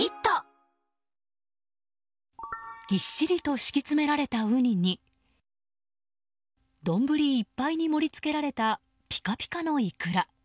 ぎっしりと敷き詰められたウニに丼いっぱいに盛り付けられたピカピカのイクラ。